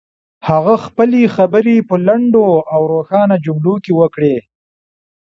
هغه خپلې خبرې په لنډو او روښانه جملو کې وکړې.